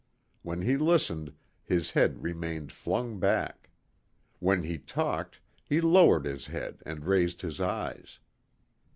When he listened his head remained flung back. When he talked he lowered his head and raised his eyes.